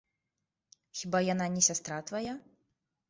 Хіба яна не сястра твая?